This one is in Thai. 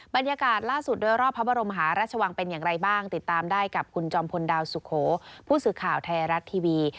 บรรยากาศล่าสุดโดยรอบพระบรมหาราชวังเป็นอย่างไรบ้างติดตามได้กับคุณจอมพลดาวสุโขผู้สื่อข่าวไทยรัฐทีวี